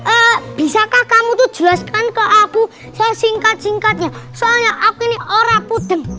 eh bisakah kamu tuh jelaskan ke aku saya singkat singkatnya soalnya aku ini orang pudeng